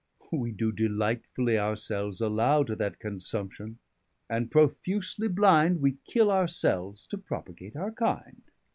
We doe delightfully our selves allow To that consumption; and profusely blinde, Wee kill our selves to propagate our kinde.